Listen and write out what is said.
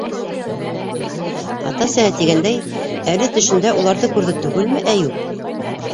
Ата-әсәһе тигәндәй, әле төшөндә уларҙы күрҙе түгелме Әйүп?